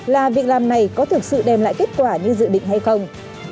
là việc làm này có thực sự đem lại kết quả như dự định hay không